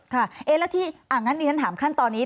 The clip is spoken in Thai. แล้วที่อ่ะงั้นท่านถามขั้นตอนนี้